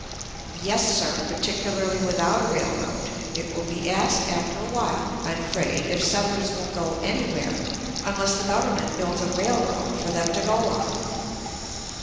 Yes, sir, "particularly without a railroad." It will be asked after a while, I am afraid, if settlers will go anywhere unless the Government builds a railroad for them to go on.